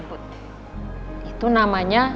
hai itu namanya